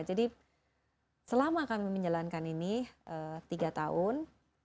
jadi selama kami menjalankan ini tiga tahun